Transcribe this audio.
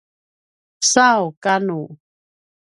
sau kanu